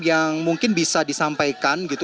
yang mungkin bisa disampaikan gitu